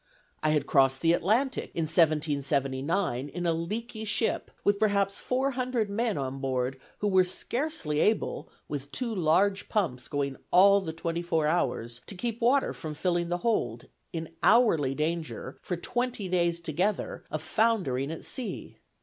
I had crossed the Atlantic, in 1779, in a leaky ship, with perhaps four hundred men on board, who were scarcely able, with two large pumps going all the twenty four hours, to keep water from filling the hold, in hourly danger, for twenty days together, of foundering at sea.